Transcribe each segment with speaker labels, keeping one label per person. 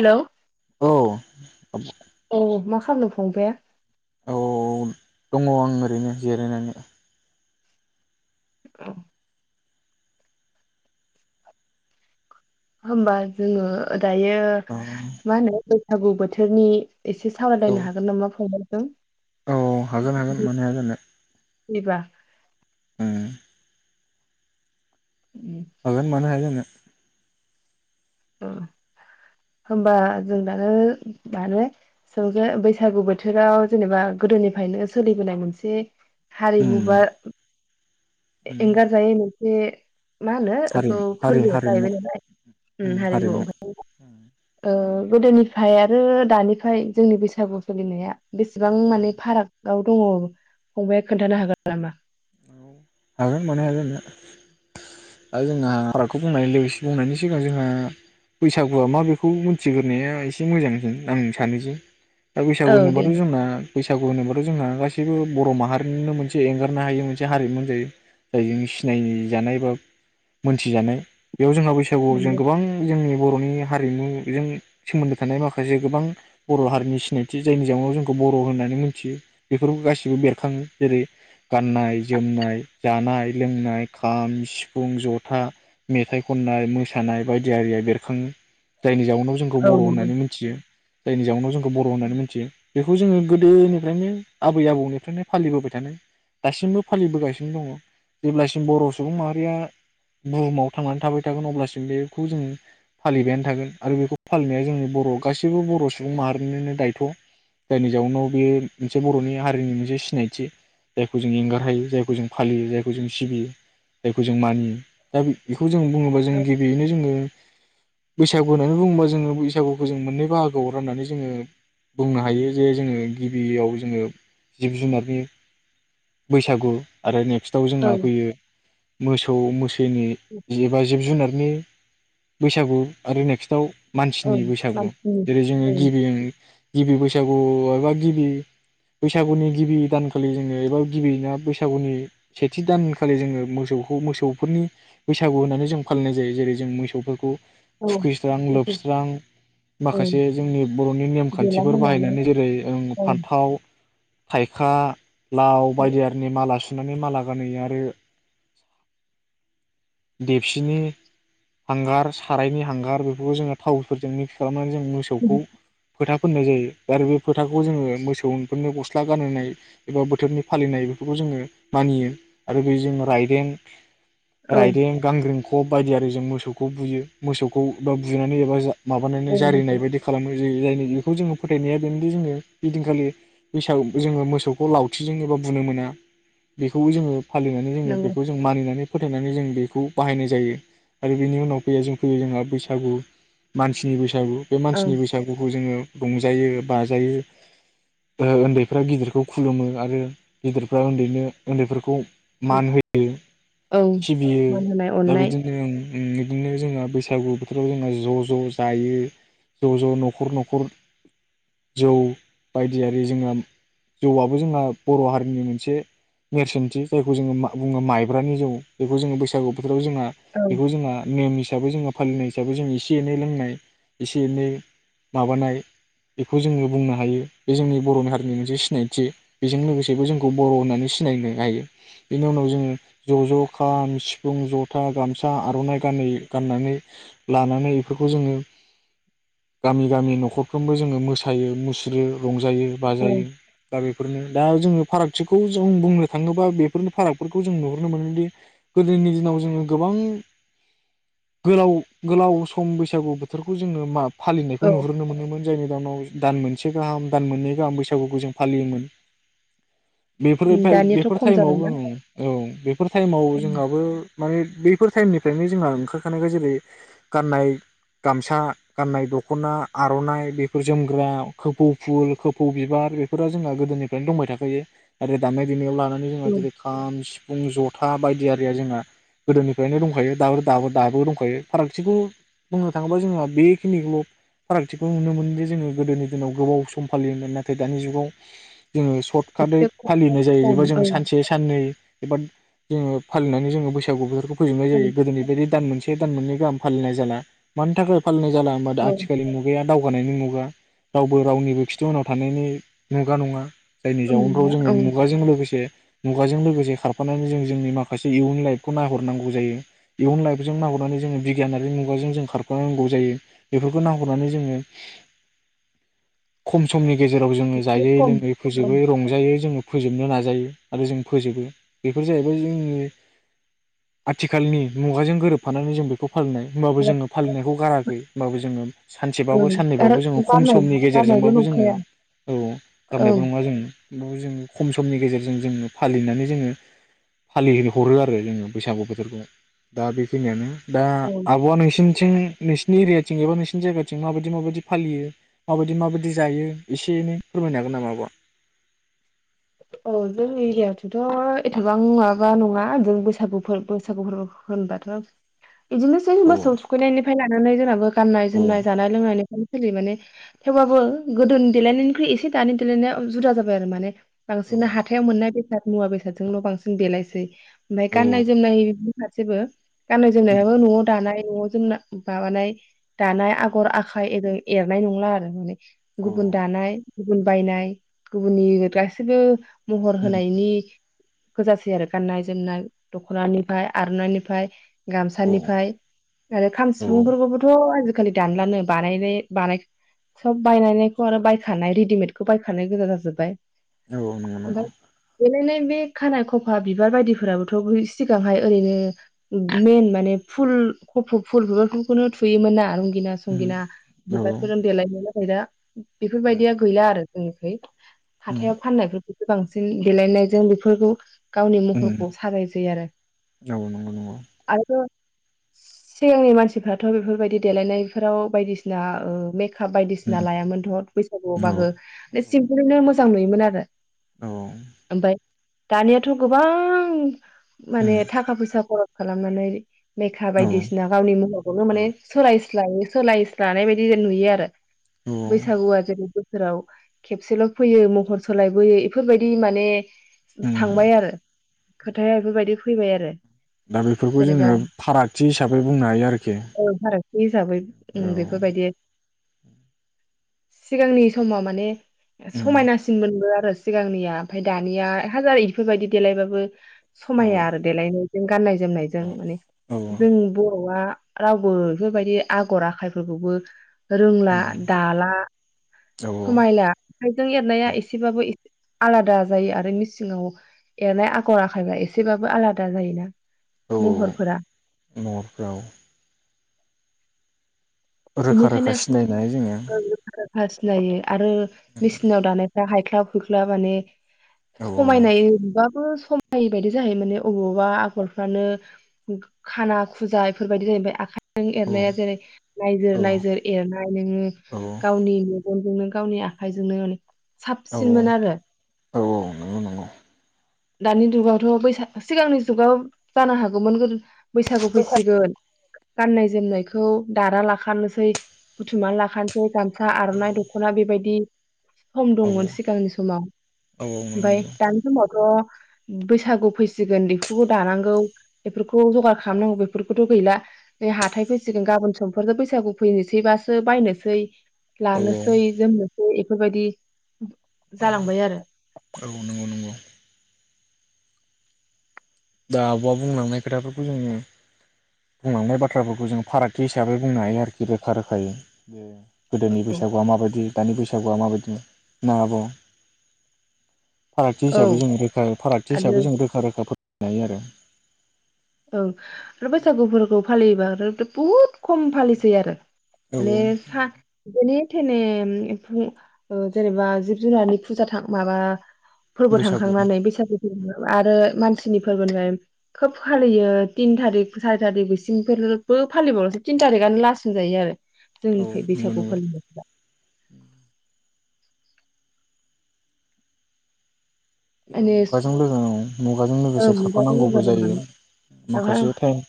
Speaker 1: Hello
Speaker 2: औ
Speaker 1: अ मा खालामदों बंफाया
Speaker 2: औ दङ आं ओरैनो जिरायनानै
Speaker 1: ओहोम होमबा जोङो दायो
Speaker 2: औ
Speaker 1: मा होनो सागु बोथोरनि एसे
Speaker 2: औ
Speaker 1: सावरायलायनो हागोन नामा फंबाय [unintelligible]
Speaker 2: औ हागोन हागोन मानो हाया जानो
Speaker 1: फ्रिबा
Speaker 2: ओम हागोन मानो हाय जानो
Speaker 1: ओ होमबा जों दानो माने जों बे बैसागु बोथोराव जेनेबा गोदोनिफ्रायनो सोलिबोनाय मोनसे
Speaker 2: उम
Speaker 1: हारिमु बा
Speaker 2: उम
Speaker 1: एंगार जायै मोन से मा होनो
Speaker 2: हारि
Speaker 1: एखौ
Speaker 2: हारि
Speaker 1: फोरबो
Speaker 2: हारिमु
Speaker 1: जाहैबाय नालाय ओम
Speaker 2: उम
Speaker 1: हारिम
Speaker 2: हारिमु
Speaker 1: ओ
Speaker 2: उम
Speaker 1: गोदोनिफ्राय आरो दानिफ्राय जोंनि बैसागु सोलिनाया बेसेबां
Speaker 2: उम
Speaker 1: माने फाराग गाव दङ फंबाया खोन्थानो हागोन नामा?
Speaker 2: औ हागोन मानो हाया जानो दा जोंहा फारागखौ बुंनाय लोगोसे बुंनायनि सिगां जोंहा बैसागुआ मा बेखौ मिथिग्रोनाया एसे मोजांसिन आं सानो जे दा बैसागु
Speaker 1: औ दे
Speaker 2: होनोबाथ जोंना बैसागु होनोब्लाथ जोंना गासि बो बर माहारिनिनो मोनसे एंगारनो हायि मोन से हारिमु होनजायो जायजों सिनाय जानायबा मोनथिजानाय बेयाव जोंहा बैसागुआव जों
Speaker 1: नंगौ
Speaker 2: गोबां जोंनि बरनि हारिमुजों सोमोन्दो थानाय माखासे गोबां बर हारिनि सिनायथि जायनि जाहोनाव जोंखौ बर होननानै मिथियो बेफोराव गासिबो बेरखाङो। जेरै गाननाय जोमनाय, जानाय, लोंनाय, खाम, सिफुं, जथा, मेथाइ खननाय, मोसानाय बायदि आरिया बेरखाङो जायनि जाउ जोंखौ
Speaker 1: औ
Speaker 2: बर
Speaker 1: नंगौ
Speaker 2: होन्नानै मोनथियो। जायनि जाउनाव जों बर होन्नानै मिथियो। बेखौ जोङो गोदोनिफ्रायनो आबै आबौनिफ्रायनो फालिबोबाय थानाय दासिमबो फालिबोगासिनो दङ जेब्लासिम बर सुबुं माहारिया बुहुमाव थांनानै थाबाय थागोन अब्लासिम बेखौ जों फालिबायानो थागोन आरो बेखौ फालिनाया जोंनि बर गासैबो बर सुबुं माहारिनिनो दायथ जायनि जाउनाव बे मोनसे बरनि हारिनि मोनसे सिनायथि जायखौ जों एंगार हायो जायखौ जों फालियो जायखौ जों सिबियो जायखौजों मानियो दा खौ जों बुंङो बा जों
Speaker 1: औ
Speaker 2: गिबियै नो जोंङो बैसागु होननानै बुङोबा जोङो बैसागुखौ जों मोननै बाहागोआव राननानै जोङो बुंनो हायो जे जोङो गिबियाव जोङो जिब जुनारनि बैसागु आरो नेक्स्ट आव
Speaker 1: औ
Speaker 2: जोंहा फैयो मोसौ मैसोनि जेबा जिब जुनारनि नि बैसागु आरो नेक्स्टआव
Speaker 1: औ
Speaker 2: मानसिनि बैसागु
Speaker 1: मानसिनि
Speaker 2: जेरै जोङो
Speaker 1: औ
Speaker 2: गिबि गिबि बैसागु एबा गिबि बैसागुनि गिबि दानखालि जोङो एबा गिबियै ना बैसागुनि सेथि दानखालि जोङो मोसौखौ मोसौफोरनि बैसागु होननानै जों फालिनाय जायो जेरै जों मोसौफोरखौ
Speaker 1: औ
Speaker 2: थुखैस्रां लोबस्रां
Speaker 1: औ
Speaker 2: माखासे जोंनि बरनि नेम खान्थिफोर
Speaker 1: देलायहोनानै
Speaker 2: बाहायनानै जेरै जों
Speaker 1: औ
Speaker 2: फान्थाव थायखा लाव। बायदि आरिनि माला सु सुनानै माला गानैहोयो आरो देबसिनि हांगार सारायनि हांगार बेफोरखौ जोङो थावफोरजों मिक्स खालामनानै जों मोसौखौ फोथा फुननाय जायो आरो बे फोथाखौ जोङो मोसौफोरनो गस्ला गानहोनाय एबा बोथोरनि। फालिनाय बेफोरखौ जोङो मानियो आरो बे जों रायदेंग।
Speaker 1: औ
Speaker 2: रायदें गांग्रिख खब बायदि आरोजो मोसौखौ बुयो मोसौखौ बा बुनानै एबा जा।
Speaker 1: औ
Speaker 2: माबानानै जारिनाय बायदि खालामो। जायनि बेखौ जोङो फोथायनाया बेनोदि जोङो बिदिनखालि बैसागु जोङो मोसौखौ लावथिजों एबा। बुनो मोना बेखौबो जोङो। फालिनानै जोङो
Speaker 1: नंगौ
Speaker 2: बेखौ जों मानिनानै। फोथायनानै जों बेखौ बाहायनाय जायो आरो बेनि उनाव फैयो जों फैयो जोंहा बैसागु मानसिनि बैसागु [inaudible] बैसागु बे
Speaker 1: औ
Speaker 2: मानसिनि बैसागुखौ जोङो रंजायो बाजायो ओ उन्दैफ्रा गिदिरखौ खुलुमो आरो गिदिरफ्रा उन्दैनो उन्दैफोरखौ मान होयो
Speaker 1: औ
Speaker 2: सिबियो
Speaker 1: मान होनाय
Speaker 2: दा
Speaker 1: अननाय
Speaker 2: बिदिनो [inaudible] उम बिदिनो जोंहा बैसागु बोथोराव जोंना ज ज जायो ज ज नखर नखर जौ बायदियारि जोंङो जौआबो जोंहा बर हारि जोंनि मोनसे नेरसोनथि जायखौ जोङो माइ बुङो माइब्रानि जौ बेखौ जोङो बैसागु बोथोराव जोंहा
Speaker 1: औ
Speaker 2: बेखौ जोंहा नेम हिसाबै जोङो फालिनाय हिसाबै जों एसे एनै लोंनाय एसे एनै माबानाय बेखौ जोङो बुंनो हायो बे जोंनि बरनि हारिनि मोनसे सिनायथि बेजों लोगोसे बेबो जोंखौ बर होननानै सिनायनो हायो बेनि उनाव जोङो ज ज खाम सिफुं जथा गामसा आरनाय गानै गाननानै लानानै इफोरखौ जोङो गामि गामि नखरफ्रोमबो जोङो मोसायो मुसुरो रंजा [inaudible] रंजायो
Speaker 1: औ
Speaker 2: बाजायो दा बेफोरनो दा जों फारागथिखौ जों बुंनो थाङोबा बेफोरनि फारागफोरखौ जों नुहुरनो मोनोदि गोदोनि दिनाव जोङो गोबां गोलाव गोलाव सम बैसागु बोथोरखौ जोङो माब [inaudible] फालिनायखौ
Speaker 1: औ
Speaker 2: नुहुरनो मोनोमोन जायनि [inaudible] नाव दान मोनसे गाहाम दान मोननै गाहाम बैसागुखौ जों फालियोमोन बेफोर
Speaker 1: उम
Speaker 2: [inaudible]
Speaker 1: दानियाथ'
Speaker 2: बेफोर
Speaker 1: खम
Speaker 2: टाइमाव
Speaker 1: जाबायना
Speaker 2: जों औ बेफोर टाइमाव
Speaker 1: औ
Speaker 2: जोंहाबो माने बेफोर टाइमनि बेफोरनि जोंहा ओंखारखानायखौ जेरै गाननाय गामसा गाननाय दखना आरनाइ बेफोर जोमग्रा खोफौ फुल खोफौ बिबार बेफोरा जोंहा गोदोनिफ्रायनो दंबाय था [inaudible] [inaudible] आरो दानाय देनायाव लु [inaudible] नानै जोंहा
Speaker 1: औ
Speaker 2: जेरै खाम सिफुं ज [inaudible] खथा बायदियारिया जोंहा गोदोनिफ्रायनो दंखायो दाबो दाबो दाबो दंखायो फारागथिखौ बुंनो थाङोबा जोंहा बेखिनिखौल फारागथिखौ नुनो मोनोदि जोङो गोदोनि दिनाव गोबाव सम फालियोमोन नाथाय दानि जुगाव जोङो [inaudible] खादै
Speaker 1: एसे खम
Speaker 2: फालिनाय जायो
Speaker 1: औ
Speaker 2: बेखौ जों
Speaker 1: औ
Speaker 2: सानसे साननै एबा जोङो फालिनानै जोङो बैसागु बेफोरखौ फोजोबनाय जायो गोदोनि बायदि दान मोनसे [inaudible] दान मोननै गाहाम फालिनाय जाला मानिथाखाय फालिनाय [inaudible] जाला होनबा दा
Speaker 1: औ
Speaker 2: आथिखाल मुगाया दा [inaudible] [inaudible] गानायनि मुगा रावबो रावनिबो खिथि उनाव थानायनि मुगा नङा जाय [inaudible]
Speaker 1: खम
Speaker 2: बेयावनोथ
Speaker 1: नंला औ
Speaker 2: जोङो मुगाजों लोगोसे मुगाजों लोगोसे खारफानानै जों जोंनि माखासे इयुन लाइफखौ नाहरनांगौ जायो इयुन लाइफ जों नाहरनानै जोङो बिगियानारि मुगाजों जों खारफानांगौ जायो बेफोरखौ नाहरनानै जोङो खम समनि गेजेराव जोङो
Speaker 1: एसे
Speaker 2: जायै
Speaker 1: खम
Speaker 2: लोङै
Speaker 1: औ
Speaker 2: फोजोब रंजायो जोङो फोजोबनो नाजायो आरो जों फोजोबो बेफोर जाहैबाय जोंनि आथिखालनि मुगाजों गोरोबफानानै जों बेखौ फालिनाय होमबाबो जोङो फालिनायखौ गाराखै होमबाबो जोङो
Speaker 1: औ
Speaker 2: सानसेबाबो
Speaker 1: आरो
Speaker 2: साननैबाबो जोङो खम
Speaker 1: गारनाय
Speaker 2: समनि
Speaker 1: गारनायबो
Speaker 2: गेजेरजोंबाबो जोङो
Speaker 1: नंखाया
Speaker 2: औ
Speaker 1: औ
Speaker 2: गारनायबो नङा जोङो। [unintelligible] जोङो खम समनि गेजेरजों जोङो फालिनानै जोङो फालि हरो आरो जोङो बैसागु बोथोरखौ दा बेखिनियानो। दा
Speaker 1: औ
Speaker 2: आबआ नोंसि थिंङै नोंसिनि एरियाथिं एबा नोंसिनि जायगाथिं माबायदि माबायदि फालियो माबायदि माबायदि जायो एसे एनै फोरमायनो हागोन नामा आब'आ?
Speaker 1: औ जों एरियाथिंथ एथबां माबा नङा जों बैसागु फोरबो बैसागु फोरबो होनबाथ इदिनोसै मोसौ थुखैनायनिफ्राय लानानै जोंनाबो गाननाय
Speaker 2: औ
Speaker 1: जोमनाय जानाय लोंनायनि [inaudible] [unintelligible] माने थेवबाबो गोदोनि देलायनायनिख्रुइ एसे दानि देलायनाया जुदा जाबाय आरो माने
Speaker 2: औ
Speaker 1: बांसिन हाथायाव मोननाय बेसाद मुवा बेसादजोंल बांसिन देलायसै। ओमफाय‌
Speaker 2: औ
Speaker 1: गाननाय जोमनाय गासिबो गाननाय जोमनायाबो नआव दानाय नआव जोंना बाबानाय दानाय आगर आखाइ एरै एरनाय नंला आरो माने
Speaker 2: औ
Speaker 1: गुबुन दानाय गुबुन बायनाय गुबुननि [unintelligible] [unintelligible] महर होनायनि गोजासै आरो गाननाय जोमनाय दखनानिफाय आरनाइनिफाय
Speaker 2: औ
Speaker 1: गामसानिफाय‌ आरो खाम
Speaker 2: औ
Speaker 1: सिफुंफोरखौबोथ आजि खालि दानलानो बानायनाय बानाय सब बायनानायखौ आरो बायखानाय रेडिमेदखौ बायखानाय गोजा जाजोब्बाय।
Speaker 2: औ नंगौ
Speaker 1: ओमफाय
Speaker 2: नंगौ
Speaker 1: देलायनाय बे खानाय खफा बिबार बायदिफोराबोथ सिगांहाय ओरैनो मेइन माने फुल खफ फुल बिबारफोरखौनो थुयोमोन ना रंगिना
Speaker 2: औ
Speaker 1: संगिना बिबारफोरजों देलायोमोन । [unintelligible] बेफोरबायदिया गैला आरो। [unintelligible]
Speaker 2: उम
Speaker 1: हाथायाव [unintelligible] बांसिन देलायनायजों बेफोरखौ गावनि महरखौ साजायसै आरो
Speaker 2: नंगौ नंगौ औ
Speaker 1: [unintelligible] सिगांनि मानसिफ्राथ बेफोरबायदि देलायनायफोराव बायदिसिना ओ मेक। काफ बायदिसिना लायामोनथ‌ बैसागुआव बाहो सिम्पोलैनो मोस जां नुयोमोन आरो। [unintelligible]
Speaker 2: औ
Speaker 1: ओमफाय। दानियाथ गोबां। माने थाखा फैसा [unintelligible] खालामनानै। लेखा बायदिसिना गावनि महरखौनो माने
Speaker 2: औ
Speaker 1: सोलायस दायो सोलायस्लानाय बायदि नुयो आरो।
Speaker 2: औ
Speaker 1: बैसागुआ जेरै बो सोरोव खेबसेल फैयो महर। सोलायबोयो बेफोरबायदि माने। थांबाय आरो खोथाया बेफोरबायदि। फैबाय आरो।
Speaker 2: दा बेफोरखौ
Speaker 1: जेनेबा
Speaker 2: जोङो फारागथि हिसाबै बुंनो हायो आरोखि
Speaker 1: औ फारागथि हिसाबै उम
Speaker 2: औ।
Speaker 1: बेफोरबायदि सिगांनि समाव माने।
Speaker 2: उम
Speaker 1: समायनासिन मोन आरो। सिगांनिया ओमफ्राय दानिया। हाजार इफोरबायदि देलायबाबो।
Speaker 2: औ
Speaker 1: समाया आरो देलायनो। जों गाननाय- जोमनायजों माने
Speaker 2: उम
Speaker 1: जों बर'आ! रावबो बेफोरबायदि आगर आखायफोरखौबो। रोंला
Speaker 2: औ
Speaker 1: दाला
Speaker 2: औ
Speaker 1: समायला आखाइजों एरनाया एसे। आलादा जायो आरो मिसिङाव एरनाय आगर आखाइबा एसेबाबो आलादा जायो ना।
Speaker 2: औ नफोराव। रोखा रोखा सिनायनाय जोङो।
Speaker 1: हास्लायो। आरो मेसिनाव दानायफ्रा हाइ। होख्ला माने।
Speaker 2: औ
Speaker 1: समायनाय नुबाबो। समायै बायदि जाहैयो माने अबावबा आगरफ्रानो खाना खुजा बेफोरबायादि जायो आमफ्राय आखाइ जों
Speaker 2: औ
Speaker 1: एरनाया जेरै नायजोर
Speaker 2: औ
Speaker 1: नायजोर एरनाय नोङो गावनि गननि गावनि आखाइजोंनो
Speaker 2: औ
Speaker 1: साबसिनमोन आरो
Speaker 2: औ औ नंगौ नंगौ
Speaker 1: दानि दुगावथ' बैसाग सिगांनि जुगाव जानो हागौमोन गोदो बैसागु फैसिगोन गाननाय जोमनायखौ दाना लाखानोसै बुथुमनानै लाखानोसै गामसा
Speaker 2: औ
Speaker 1: आरनाइ दखना बेबायदि सम
Speaker 2: औ
Speaker 1: दंमोन सिगांनि समाव
Speaker 2: नंगौ
Speaker 1: ओमफाय
Speaker 2: नंगौ
Speaker 1: दानि समावथ' बैसागु फैसिगोन बेफोरखौ दानांगौ बेफोरखौ जगार खालामनांगौ बेफोरखौथ' गैला नै हाथाय फैसिगोन गाबोन समफोरनो बैसागु फैनोसैबासो बायनोसै
Speaker 2: औ
Speaker 1: लानोसै जोमनोसै बेफोरबायदि
Speaker 2: औ
Speaker 1: जालांबाय आरो
Speaker 2: औ नंगौ नंगौ दा आब'आ बुंलांनाय खोथाफोरखौ जोङो बुंलांनाय बाथ्राफोरखौ जों फारागथि हिसाबै बुंनो हायो आरोखि रोखा रोखायै ब गोदोनि बैसागुआ माबाय दानि बैसाग बैसागुआ माबायदि [unintelligible] फारागथि
Speaker 1: औ
Speaker 2: हिसाबै जों रोखा फागथि
Speaker 1: आरो
Speaker 2: हिसाबै जों रोखा रोखाफोर जायो आरो
Speaker 1: औ आरो बैसागुफोरखौ फालियोबा आरो बहुत खम
Speaker 2: औ
Speaker 1: फालिसै आरो
Speaker 2: औ
Speaker 1: माने सा माने थेनेन एफोरनि जेनेबा जिब जुनारनि फुजा थां माबा फोरबो
Speaker 2: बैसागु
Speaker 1: थांखांनानै बैसागु फोर आरो मानसिनि फोरबोनिफ्राय खोब फालियो तिन थारिख सारि थारिख बिसिंफोरबो फालिबावसै तिन थारिखआनो लास्ट होनजायो आरो ।
Speaker 2: औ
Speaker 1: जोंनिफ्राय
Speaker 2: नंगौ
Speaker 1: बैसागु
Speaker 2: नंगौ
Speaker 1: फालिनायखौ
Speaker 2: मुगाजों औ मुगाजों लोगोसे खारफानांगौबो
Speaker 1: माने
Speaker 2: जायो माखासे थाइम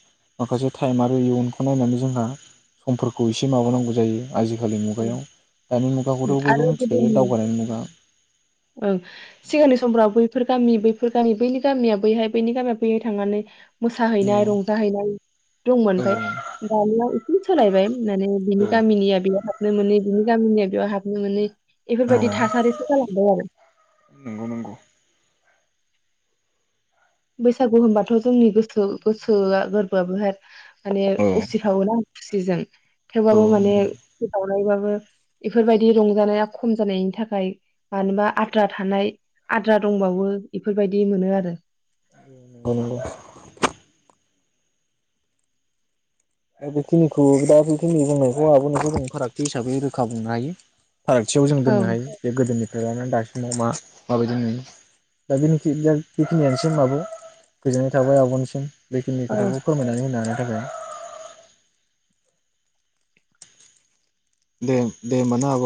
Speaker 2: माखासे थाइम आरो इयुन बेखौ नायनानै जोंहा समफोरखौ एसे माबानांगौ जायो आजिखालि मुगायाव दानि मुगाखौथ'
Speaker 1: आरो
Speaker 2: बयबो मिथिखायो
Speaker 1: गोदोनि
Speaker 2: दावगानायनि मुगा
Speaker 1: ओं सिगांनि समफ्राव बैफोर गामि बैफोर गामि बैनि गामिया बैहाय बैनि गामिया बैहाय थांनानै
Speaker 2: औ
Speaker 1: मोसाहैनाय रंजाहैनाय दंमोन
Speaker 2: औ
Speaker 1: ओमफ्राय दानिया एसे सोलायबाय फैनानै
Speaker 2: औ
Speaker 1: बिनि गामिनिया बियाव हाबफै हाबनो मोनै बिनि गामिनिया बेयाव हाबनो मोनै बेफोरबायदि
Speaker 2: औ
Speaker 1: थासारिसो जालां-
Speaker 2: नंगौ नंगौ
Speaker 1: बैसागु होनबाथ जोंनि गोसो
Speaker 2: औ
Speaker 1: गोसोआ गोरबोआबो हाय माने उसिफावोना खुसिजों
Speaker 2: औ
Speaker 1: थेवबाबो माने
Speaker 2: नंगौ
Speaker 1: मायबाबो बेफोरबायदि रंजानाया खम जानायनि थाखाय मानोबा आद्रा थानाय आद्रा दंबावो बेफोरबायदि मोनो आरो
Speaker 2: औ नंगौ दा बेखिनिखौ दा बेखिनि बुंनायखौ आंहाबो नखर फारागथि हिसाबै रोखा बुंनो हायो फारागथियाव जों
Speaker 1: औ
Speaker 2: दोननो हायो बे गोदोनि ओमफ्रायानो दासिमाव मा माबायदि नो दा बेखि बेखिनियानोसै आब गोजोननाय थाबाय आबनिसिम बेखिनि
Speaker 1: औ
Speaker 2: खोथाखौ फोरमायनानै होनो आरो [unintelligible] देम दे होनबा ना आब